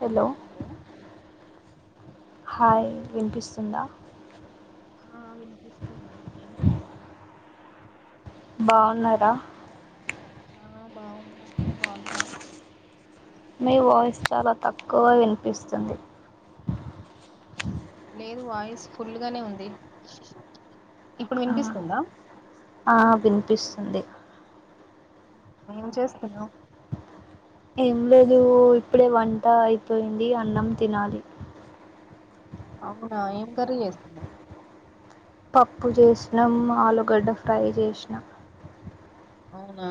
Hello hi వినిపిస్తుందా ఆ వినిపిస్తుంది ఏం చేస్తున్నా బాగున్నారా ఆ బాగున్నా బాగున్నావా మీ వాయిస్ చాలా తక్కువ వినిపిస్తుంది లేదు వాయిస్ ఫుల్గానే ఉంది ఇప్పుడు ఆ వినిపిస్తుందా వినిపిస్తుంది ఏం చేస్తున్నావ్ ఏం లేదు ఇప్పుడే వంట అయిపోయింది అన్నం తినాలి అవునా ఏం కర్రీ చేస్తున్నావ్ పప్పు చేసినాం ఆలుగడ్డ ఫ్రై చేసినా అవునా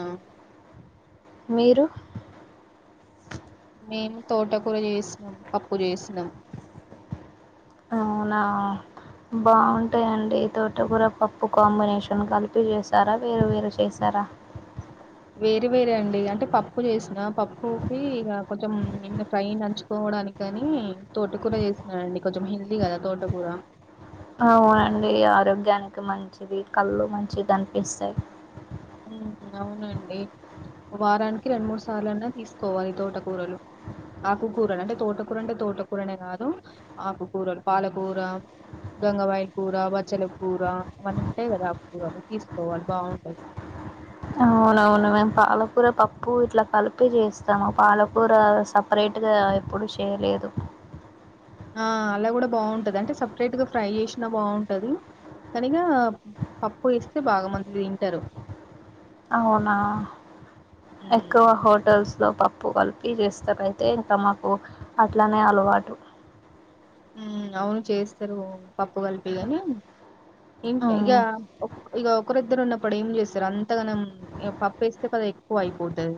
మీరు మేము తోటకూర చేసినాం పప్పు చేసినాం అవునా బాగుంటాయండి తోటకూర పప్పు కాంబినేషన్ కలిపి చేసారా వేరు వేరు చేశారా వేరే వేరే అండి అంటే పప్పు చేసిన పప్పుకి ఇక కొంచెం ఏమైనా ఫ్రై నంచుకోవడానికి కాని తోట కూర చేసినండి కొంచెం హెల్తీ కదా తోటకూర అవునండి ఆరోగ్యానికి మంచిది కళ్ళు మంచిగా కనిపిస్తాయి అవునండి వారానికి రెండు మూడు సార్లు అన్నా తీసుకోవాలి తోటకూరలు ఆకుకూరలు అంటే తోటకూర అంటే తోటకూరనే కాదు ఆకుకూరలు పాలకూర గంగవాయి కూర బచ్చల కూర ఇవన్నీ ఉంటాయి కదా ఆకుకూరలు తీసుకోవాలి బాగుంటది అవునవును మేము పాలకూర పప్పు ఇట్లా కలిపి చేస్తాము పాలకూర సపరేట్గా ఎప్పుడు చేయలేదు అలా కూడా బాగుంటుంది అంటే సపరేట్గా ఫ్రై చేసినా బాగుంటుంది కానీగా పప్పు చేస్తే బాగా మంది తింటారు అవునా ఎక్కువ ఉమ్ హోటల్స్ లో పప్పు కలిపి చేస్తారయితే ఇంకా మాకు అట్లనే అలవాటు అవును చేస్తారు పప్పు కలిపిగాని ఇక మ్మ్ ఇక ఒకరిద్దరు ఉన్నప్పుడు ఏం చేస్తారు అంతగానం పప్పుస్తే కదా ఎక్కువ అయిపోతుది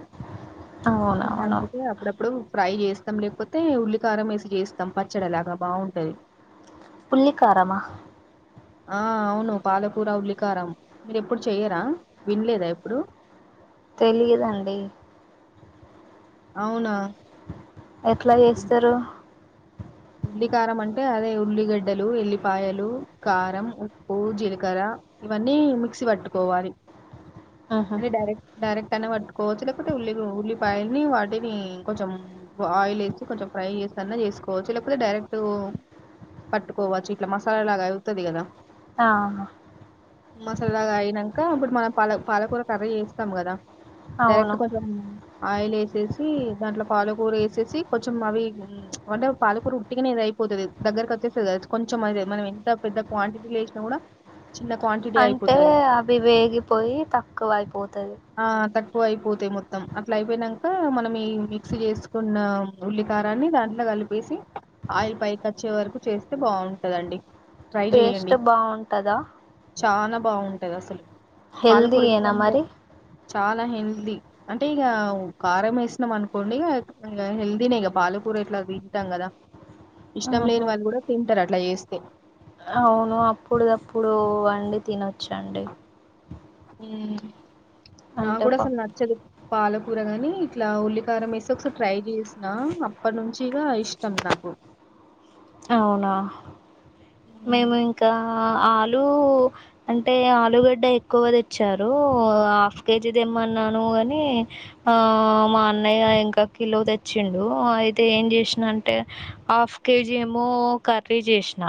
అవునవును అప్పుడప్పుడు ఫ్రై చేస్తాం లేకపోతే ఉల్లికారం వేసి చేస్తాం పచ్చడిలాగా బాగుంటాయి పుల్లికారమా ఆ అవును పాలకూర ఉల్లికారం మీరు ఎప్పుడు చెయరా వినలేదా ఎప్పుడు తెలియదండి అవునా ఎట్లా చేస్తారు ఉల్లి కారం అంటే అదే ఉల్లిగడ్డలు ఎల్లిపాయలు కారం ఉప్పు జీలకర్ర ఇవన్నీ మిక్సీ పట్టుకోవాలి ఆహా అంటే డైరెక్ట్ డైరెక్ట్ అనా పట్టుకోవచ్చు లేకపోతే ఉల్లి ఉల్లిపాయల్ని వాటిని కొంచెం ఆయిల్ వేసి కొంచెం ఫ్రై చేసిన్నా చేసుకోవచ్చు లేకపోతే డైరెక్ట్ పట్టుకోవచ్చు ఇట్లా మసాలా లాగా అవుతుంది కదా ఆ మసాలాగా అయినాక ఇప్పుడు మనం పాల పాలకూర కర్రీ చేేస్తాం కదా డైరెక్ట్ అవును కొంచెం ఆయిల్ వేసేసి దాంట్లో పాలుకూర వేసేసి కొంచెం అవి అంటే పాలు ఇప్పుడు ఉట్టికనేది అయిపోతుంది దగ్గరకు వచ్చేస్తుంది కది కొంచెం అది మనం ఎంత పెద్ద క్వాంటిటీ వేసిన కూడా చిన్న క్వాంటిటీ అంటే అయిపోతది అది అవి వేగిపోయి తక్కువ అయిపోతది క్కువ అయిపోతాయి మొత్తం అట్లా అయిపోయినాక మనం ఈ మిక్సీ చేసుకున్న ఉల్లికారాన్ని దాంట్లో కలిపేసి ఆయిల్ పైకి వచ్చే వరకు చేస్తే బాగుంటదండి ట్రై టేస్ట్ బాగుంటదా చాలా బాగుంటది అసలు హెల్తీ పాలకూర ఏనా ఇష్టం లే మరి చాలా హెల్దీ అంటే ఇక కారం వేసినాం అనుకోండి ఇక ఇ హెల్దీనే ఇక పాలకూర ఎట్లా దిగుతాం కదా ఇష్టం మ్హూ లేని వాళ్ళు కూడా తింటారు అట్లా చేస్తే అప్పుడు అప్పుడు వండి తినొచ్చు చండి ఆ నాక్కూడా అసలు నచ్చదు పాలకూర కూరగాని ఇట్లా ఉల్లికారం వేసి ఒక ట్రై చేసిన అప్పటినుంచిగా ఇష్టం నాకు అవునా ఉమ్, మేము ఇంకా ఆలు అంటే ఆలుగడ్డ ఎక్కువ తెచ్చారు హఫ్ కేజీ తెమ్మన్నాను కాని మా అన్నయ్య ఇంకా కిలో తెచ్చిండు అయితే ఏం చేసాంటే హఫ్ కేజీ ఏమో కర్రీ చేసిన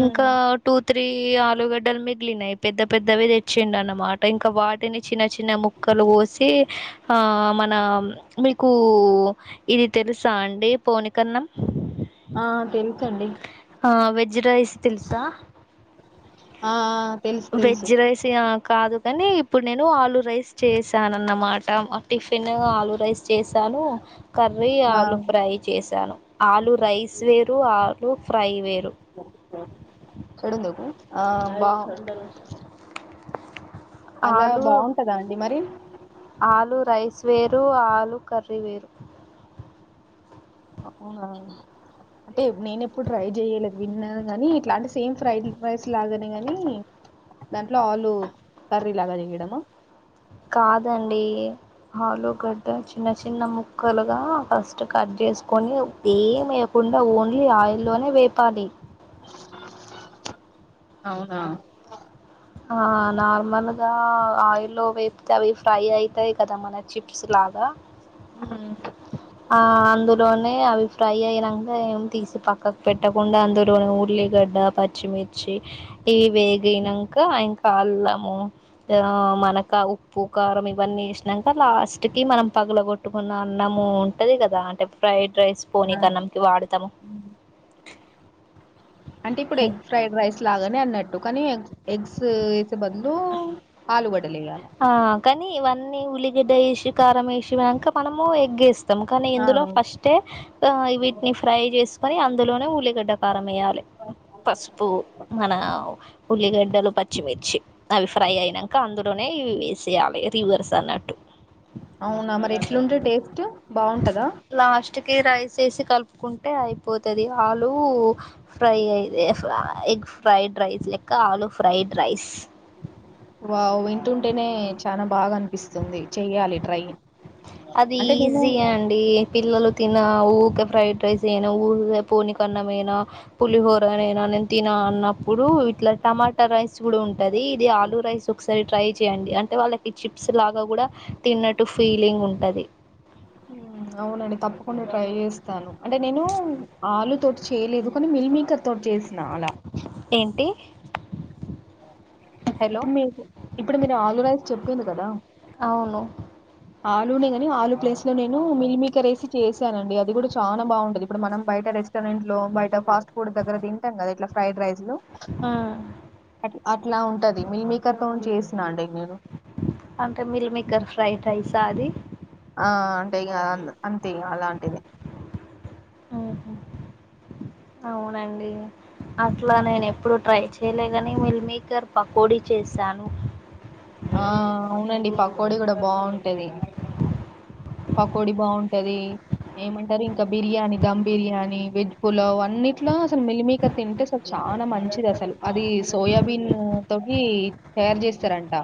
ఇంకా ఉమ్. టూత్ రాత్రి ఆలుగడ్డలు మిగిలినయి పెద్ద పెద్దవి తెచ్చిండు అన్నమాట ఇంకా వాటిని చిన్న చిన్న ముక్కలు కోసి మన మీకు ఇది తెలుసా అండి పోనికన్నా ఆ తెలుసండి ఆ వెజ్ రైస్ సిల్సా ఆ తెలుసు తెలుసు వెజ్ రైస్యా కాదు కాని ఇప్పుడు నేను ఆలు రైస్ చేసాన అన్నమాట టిఫిన్ ఆలు రైస్ చేశాను. కర్రీ ఆ ఆలు ఫ్రై చేశాను. ఆలు రైస్ వేరు ఆల్ కోర వేరు ఫ్రై వే ఎడుందకు ఆ బావుంది అలా ఆలు బాగుంటదా అండి మరి ఆలు రైస్ వేర్ లు ఆలు కర్రీ వేరు అవునవు అంటే నేను ఎప్పుడు ట్రై చేయలేదు. విన్నా కానీ ఇట్లాంటే సేమ్ ఫ్రైడ్ రైస్ లాగానే కానీ, దాంట్లో ఆలు కర్రీ లాగా చేయడమా కాదండి. ఆలుగడ్డ చిన్న చిన్న ముక్కలుగా ఫస్ట్ కట్ చేసుకొని, ఏం వేయకుండా, ఓన్లీ ఆయిల్లోనే వేపాలి. అవునా ఆ నార్మల్గ ఆ ఆయిల్ వేప్ అవి ఫ్రై అయితాయి కదా మన చిప్స్ లాగా ఉహ్ ఉ ఆ అందులోనే అవి ఫ్రై అయినంక, ఏం తీసి పక్కకు పెట్టకుండా, అందులోనే ఉల్లిగడ్డ, పచ్చిమిర్చి ఇవి వేగనంక, అల్లము మనక ఉప్పు, కారం ఇవన్నీ వేసినాక, లాస్ట్ కి మనం పగలగొట్టుకున్న అన్నము. టది కదా అంటే ఫ్రై ఆ ఉ అంటే ఇప్పుడు ఎగ్ ఫ్రైడ్ రైస్ లాగానే అన్నట్టు కానీ ఎ ఎగ్స్ బదులు ఆలుగడ్ ఆ కానీ ఇవన్నీ ఉలిగడ్డయేషి కారంమేషి ఇవ అంకా పణము ఎగ్ ఎస్ మ్ కానీ ఆ, ఇందులో ఫస్ట్ ఆవీటిని ఫ్రై చేసుకొని, అందులోనే ఉల్లిగడ్డ కారం వేయ్యాలి. పసుపు మన ఉల్లిగడ్డలు పచ్చిమిర్చి అవి ఫ్రై అయినంక అందులో ఏయ్ వేసేయాలి రివర్స్ అన్నట్టు. అవునా మరి ఎట్లుండే టేస్ట్. బాగుంటదా లాస్ట్ కీ రైస్ ఏసి కల్ప్ కుంటే అయిపోతది ఆలూ ఫ్రై అయి [unintelligible] ఎగ్ ఫ్రైడ్ రైస్ లెక్క ఆలు ఫ్రైడ్ రైస్ వావ్ వింటుంటేనే చానా బాగా అనిపిస్తుంది చెయ్యాలి ట్రై అది అంటే ఈజీ నేను అండి పిల్లలు తిన ఊకే ఫ్రైడ్ రైస్ ఏను ఊ పోని కన్నమేనా పులిహోరనేనా నేను తిన అన్నప్పుడు ఇట్లా టమాట ట్ట రైస్ కూడా ఉంటది ఇది ఆలూ రైస్ ఒకసారి ట్రై చేయండి అంటే వాళ్ళకి చిప్స్ లాగా కూడా తిన్నట్టు ఫీలింగ్ ఉం పది అవునండి తప్పకుండా ట్రై చేస్తాను అంటే నేను ఆలు తోటి చేయలేదు కానీ మిల్ మేకర్ తో చేసిన అలా ఏంటి హలో ఇప్పుడు మీకు ఇప్పుడు మీరు ఆలురైస్ చెప్పింరు కదా. అవును ఆలూనే గానీ, ఆలూ ప్లేస్ లో నేనూ మీల్మేకర్రేసీ చేసానండి. అది కూడా చాలా బాగుంటది. ఇప్పుడు మనం బయట రెస్టారెంట్ లో బయట ఫాస్ట్ ఫుడ్ దగ్గర తింటాం కదా ఇట్లా ఫ్రైడ్ రైస్ హలో ఉమ్. అట్లా ఉంటది మీల్మేకర్ తోన్ చేస్ నాండే అంటే మిల్మేకర్ ఫ్రైరై సాది ఆ అంటే ఇగా అన్ అంతే ఇగా అలాంటిది ఉహు. అవునండి అట్లా నేను ఎప్పుడు ట్రై చేయలే కనీ మీల్ మీ కర్ పకోడి చేస్ చాలు ఆ అవునండి పకోడి కూడా బాగుంటది పకోడి బాగుంటది ఏమంటారు ఇంకా, బిర్యానీ దధమ్ బిర్యానీ వెజ్ పులావ్ అన్నిట్లో, అసలు మిలిమకర్ తింటే అసలు చాలా మంచిది, అసలు అది సోయాబీన్ తోకి తయారు చేస్తారంట.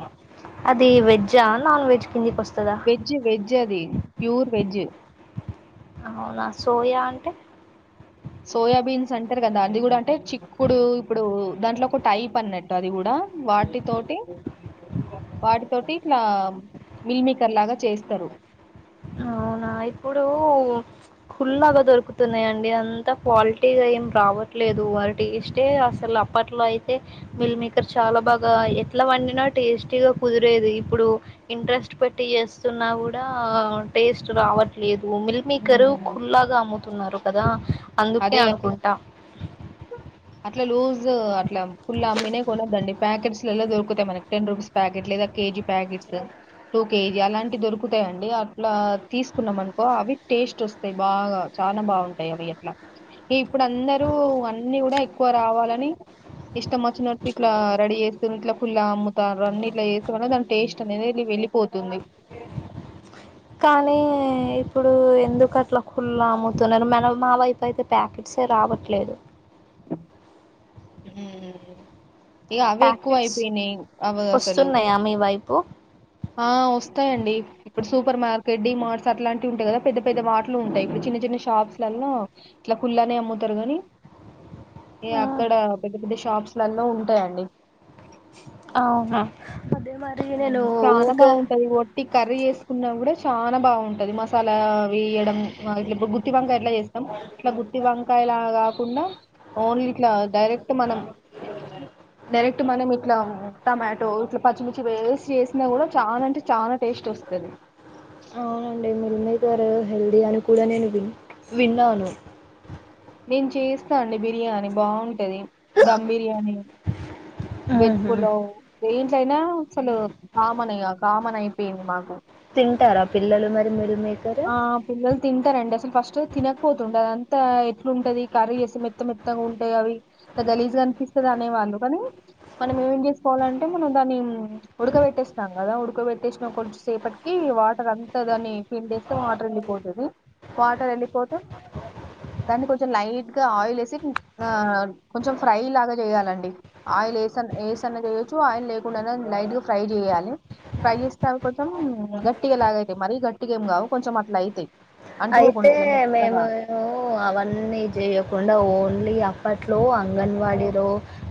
అది వెజ్జా నాన్ వెజ్ కిందికి వస్తాదా వెజ్ వెజ్ అది ప్యూర్ వెజ్ అవునా సోయా అంటే సోయాబీన్స్ అంటారు, కదా అది కూడా అంటే చిక్కుడు, ఇప్పుడు దాంట్లో ఒక టైప్ అన్నట్టు అది కూడా వాటితోటి, వాటితోటి ఇట్లా మిల్మకర్ లాగా చేస్తారు. అవునా ఇప్పుడు ఫుల్లాగా దొరుకుతున్నాయిండి. అంతా క్వాలిటీగా ఏం రావట్లేదు వారి టేస్టే అసలు అప్పట్లో అయితే, మిల్మేకర్ చాలా బాగా ఎట్లా వండినా టేస్టీగా కుదిరేదు. ఇప్పుడు ఇంట్రెస్ట్ పెట్టి చేస్తున్నా కూడా, టేస్ట్ రావట్ లేదు మిల్ మేకరు ఉమ్. కుల్లాగా అమ్ముతున్నారు కదా అందుకే అదే అనుకుంటా జ్ అట్లా ఫుల్ అమ్మినే కొనొద్దండి ప్యాకెట్స్ దొరుకుతాయి మన టెన్ రూపీస్ ప్యాకెట్ లేదా కేజీ ప్యాకెట్స్ టూ కేజీ అలాంటి దొరుకుతాయిడి అట్లా తీసుకున్నామన్ అవి టేస్ట్ వస్తాయి బాగా చాలా బాగుంటాయి అవి అట్లా ఇప్పుడు అందరూ అన్నీ కూడా ఎక్కువ రావాలని ఇష్టం వచ్చినట్లు ఇట్లా రెడీ చెస్ ఇట్ల పుల్ల అమ్ముతరు అన్ని ఇట్లా వేస్తేమ దాని టేస్ట్ అనేది వెళ్ళిపోతుంది కానీ ఇప్పుడు ఎందుకు అట్లా కుళ అమ్ముతున్నారు మనం మా వైపు అయితే ప్యాకెట్సే రావట్లేదు హు ఇగ అవి ఎక్కువ ప్యాకెట్స్ అయిపోయినాయి అవి అసలు వస్తున్నాయా మీ వైపు ఆ వస్తాయండి ఇప్పుడు సూపర్ మార్కెట్, డి మార్ట్స్ అట్లాంటివి ఉంటాయి, కదా పెద్ద పెద్ద వాటలు ఉంటాయి, ఇప్పుడు చిన్న చిన్న షాప్స్లలో ఇట్లా కుల్లానే అమ్ముతారు. కానీ, ఏ అక్కడ పెద్ద పెద్ద షాప్స్ టల్లో ఉంటాయండి అవుహా చాలా బాగుంటది వట్టి కర్రీ చేసుకున్నా కూడా చాలా బాగుంటుంది మసాలా వేయడం ఇలా, ఇప్పుడు గుత్తివంకాయ ఎట్లా చేస్తాం ఇట్లా గుత్తి వంకాయలా కాకుండా, ఓన్లీ ఇట్లా డైరెక్ట్ మనం, డైరెక్ట్ మనం ఇట్లా టమాటో ఇచ్ పచ్చిమిర్చి పేస్ట్ చేసినా కూడా చాలా అంటే చాలా టేస్ట్ వస్తుంది అవునండి మిల్ మేకరు హెల్దీ అని కూడా నేను వి విన్నాను నేను చేస్తా అండి బిర్యానీ బాగుంట్ టది దమ్ బిర్యానీ వెజ్ ఆహా పులవ్ దేంట్లో అయినా అసలు కామన్ ఇగ కామన్ అయి ఏమి మాగు తింటార పిల్లలు మరి మీరు మీ ఆ పిల్లలు తింటారండి అసలు ఫస్ట్ తినకపోతుండే అదంతా ఎట్లు ఉంటది కర్రీ వేసి మెత్త మెత్తగా ఉంటాయి అవి గలీజ్ అనిపిస్తది అనేవాళ్ళ కానీ మనం ఏం చేసుకోవాలంటే మనం దాన్ని ఉడకబెట్టేసన్నం కదా ఉడకబెట్టేసిన కొంచెం సేపటికి వాటర్ అంతా దాన్ని ఫీన్ డేస్ తం వాటర్ వెళ్ళిపోతది వాటర్ వెళ్ళిపోతే దాన్ని కొంచెం లైట్ గా ఆయిల్ వేసి ఆ కొంచెం ఫ్రై లాగా చేయాలండి ఆయిల్ ఏసన్న ఏసన్న చేయొచ్చు ఆయిల్ లేకుండానే లైట్ గా ఫ్రై చేయాలి ఫ్రై చేస్తే అ కొంచెం గట్టిగా లాగ అయితయి మరి గట్టిగా ఏం కావు కొంచెం అట్లా అయితయి అయితే మేము అవన్నీ చేయకుండా ఓన్లీ ఆ అప్పట్లో అంగన్వాడీలో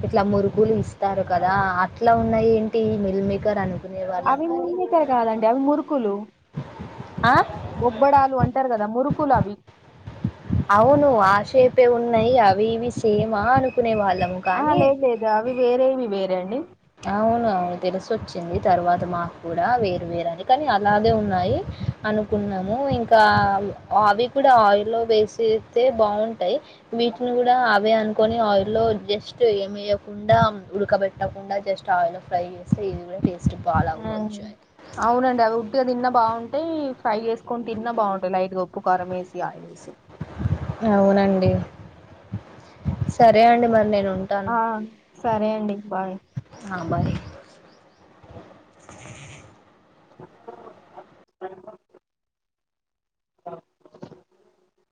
ఇట్లా మురుకులు ఇస్ ఇస్తరు కదా అట్ల ఉన్నయి ఏంటి మిల్మేకర్ అని అవిన్నినిక కాదండి అవి మురుకులు ఆ బొబ్బడాలు అంటారు కదా మురు కులవి అవును ఆషేపే ఉన్నయి అ అవి ఇవి సేమా అనుకునే వాళ్ ఆ లేదు లేదు అవి వేరేవి వేరండి అవునవున తెలిసొచ్చింది తర్వాత మాకు కూడా వేరు వేరని కనీ అలాగే ఉన్నాయి అనుకున్నాము ఇంకా అవి అవి కూడా ఆయిల్లో వేస్తే బాగుంటయి వీటిని కూడా అవె అనుకొని ఆయిల్లో జస్ట్ ఏమయకుండా ఉడకబెట్టకుండా జస్ట్ ఆయిలో ఫ్రై చేస్తే ఇది కూడా ఫె అవును అవునండి అవి ఉడ్డిగా తిన్నా బాగుంటాయి ఫ్రై చేసుకొని తిన్నా బాగుంటాయి లైట్గా ఉప్పు కారం వేసి ఆయిల్ వేసి అవునండి. సరే అండి మరి నేను ఆ సరే అండి బాయ్ ఆ బాయ్ అ [inaudible] ఎప్పుడో [unintelligible] అ [unintelligible]